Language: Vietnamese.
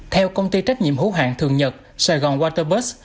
theo công ty trách nhiệm hữu hạng thường nhật sài gòn waterbus